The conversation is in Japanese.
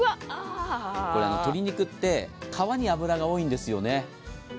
これ、鶏肉って皮に脂が多いんですよね。